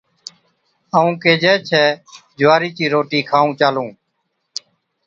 ائُون ڪيهجَي ڇَي جُوارِي چِي روٽِي کائُون چالُون